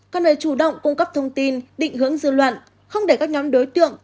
còn về chủ động cung cấp thông tin định hướng dư luận không để các nhóm đối tượng